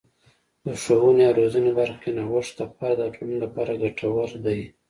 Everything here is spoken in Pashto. د ښوونې او روزنې برخه کې نوښت د فرد او ټولنې لپاره ګټور دی.